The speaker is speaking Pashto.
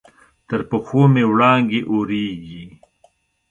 تر پښو مې وړانګې اوریږې